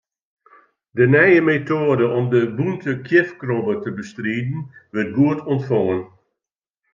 De nije metoade om de bûnte kjifkrobbe te bestriden, wurdt goed ûntfongen.